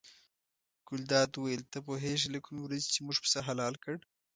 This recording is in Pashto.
ګلداد وویل ته پوهېږې له کومې ورځې چې موږ پسه حلال کړ.